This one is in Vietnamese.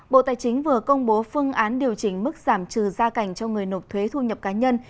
bộ tài chính vừa công bố phương án điều chỉnh mức giảm trừ gia cảnh cho người nộp thuế thu nhập cá nhân